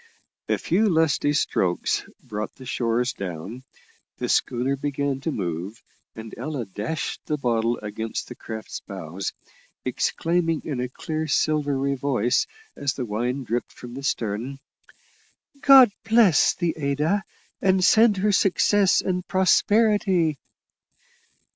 A few lusty strokes brought the shores down, the schooner began to move, and Ella dashed the bottle against the craft's bows, exclaiming in a clear, silvery voice, as the wine dripped from the stem: "God bless the Ada, and send her success and prosperity!"